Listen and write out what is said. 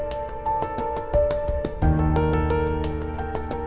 ini sih mungkin jadi peluang